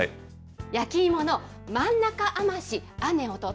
焼き芋の真ん中甘し姉弟。